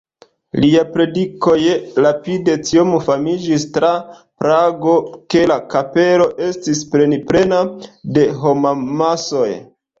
Liaj predikoj rapide tiom famiĝis tra Prago, ke la kapelo estis plenplena de homamasoj.